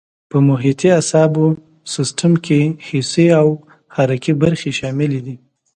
په محیطي اعصابو سیستم کې حسي او حرکي برخې شاملې دي.